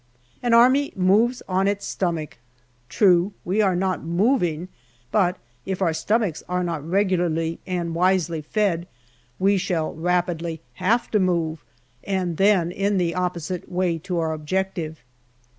" An army moves on its stomach." True, we are not moving ; but if our stomachs are not regularly and wisely fed, we shall rapidly have to move, and then in the opposite way to our objective.